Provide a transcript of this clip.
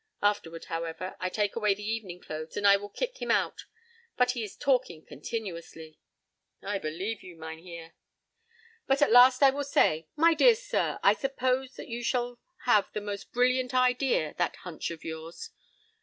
Afterward, however, I take away the evening clothes and I will kick him out. But he is talking continuously." "I believe you, Mynheer." "But at last I will say: 'My dear sir, suppose that you should have the most brilliant idea; that "hunch" of yours.